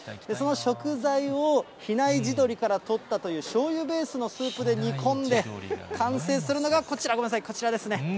その食材を比内地鶏からとったというしょうゆベースのスープで煮込んで、完成するのがこちら、ごめんなさい、こちらですね。